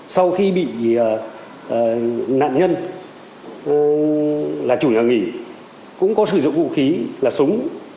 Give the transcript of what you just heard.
sau khi bị nạn nhân là chủ nhà nghỉ cũng có sử dụng vũ khí là súng